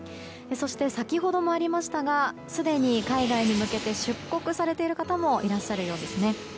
そして先ほどもありましたがすでに海外に向けて出国されている方もいらっしゃるようですね。